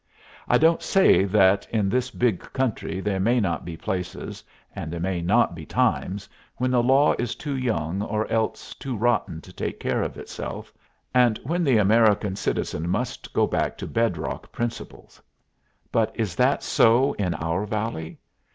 I don't say that in this big country there may not be places, and there may not be times, when the law is too young or else too rotten to take care of itself, and when the American citizen must go back to bed rock principles. But is that so in our valley?